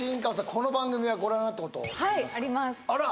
この番組はご覧になったことはいありますあら！